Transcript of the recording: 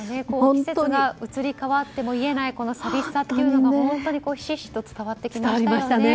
季節が移り変わっても癒えない寂しさがひしひしと伝わってきましたね。